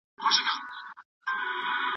د ځینو شاعرانو په شعرونو کې د طب اغېز سته.